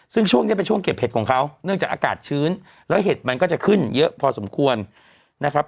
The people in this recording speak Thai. ซึ่งช่วงนี้เป็นช่วงเก็บเห็ดของเขาเนื่องจากอากาศชื้นแล้วเห็ดมันก็จะขึ้นเยอะพอสมควรนะครับ